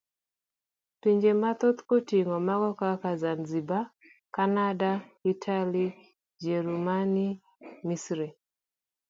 Pinje mathoth koting'o mago kaka Zanzibar, Cananda, Italia, Ujerumani, Misri.